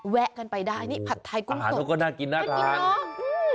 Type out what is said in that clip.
แวะกันไปได้นี่ผัดไทยกุ้งสดน่ากินนะอาหารทุกคนน่ากินน่ากิน